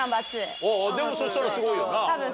でもそしたらすごいよな。